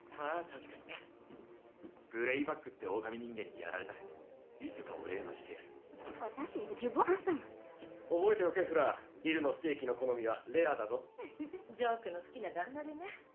確かになグレイバックって狼人間にやられたいつかお礼はしてやる私には十分ハンサム覚えておけフラービルのステーキの好みはレアだぞジョークの好きな旦那でね